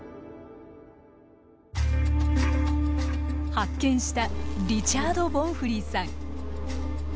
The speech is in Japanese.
発見したリチャード・ボンフリーさん。